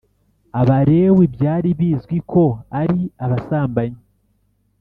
Abalewi byari bizwi ko ari abasambanyi